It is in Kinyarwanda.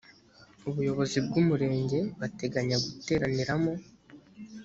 ubuyobozi bw’umurenge bateganya guteraniramo